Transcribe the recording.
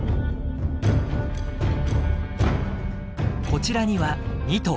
こちらには２頭。